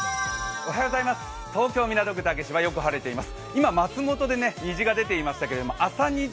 東京・港区竹芝、よく晴れています。